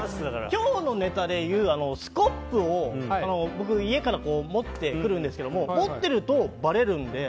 今日のネタでいうとスコップを僕、家から持ってくるんですけど持ってると、バレるので。